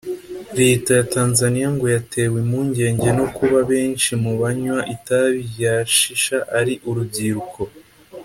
Leta ya Tanzania ngo yatewe impungene no kuba abenshi mu banywa itabi rya shisha ari urubyiruko